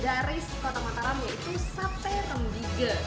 dari kota mataram yaitu sate tembige